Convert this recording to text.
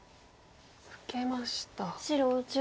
受けました。